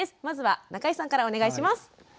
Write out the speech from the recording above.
まずは中井さんからお願いします。